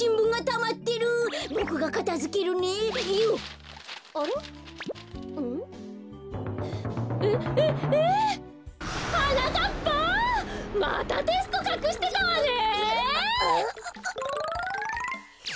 またテストかくしてたわね！